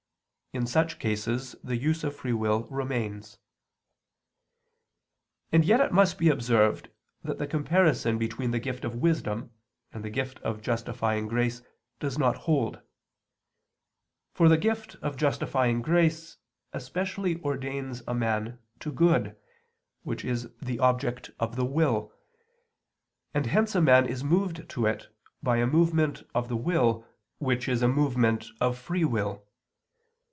In such cases the use of free will remains. And yet it must be observed that the comparison between the gift of wisdom and the gift of justifying grace does not hold. For the gift of justifying grace especially ordains a man to good, which is the object of the will; and hence a man is moved to it by a movement of the will which is a movement of free will.